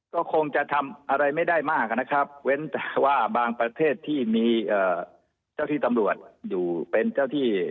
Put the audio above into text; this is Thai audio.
ก็คงจะทำอะไรไม่ได้มากนะครับเว้นแต่ว่าบางประเทศที่มีเจ้าที่ตำรวจอยู่เป็นเจ้าที่